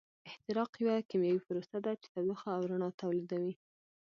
احتراق یوه کیمیاوي پروسه ده چې تودوخه او رڼا تولیدوي.